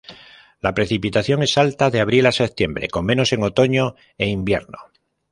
La precipitación es alta de abril a septiembre, con menos en otoño e invierno.